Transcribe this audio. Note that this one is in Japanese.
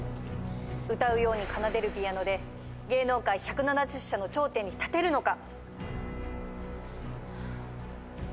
歌うように奏でるピアノで芸能界１７０社の頂点に立てるのか？